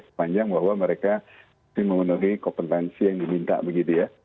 sepanjang bahwa mereka memenuhi kompetensi yang diminta begitu ya